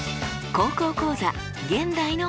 「高校講座現代の国語」。